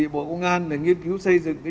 bộ công an nghiên cứu xây dựng